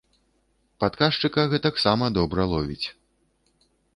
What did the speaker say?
Падказчыка гэтаксама добра ловіць.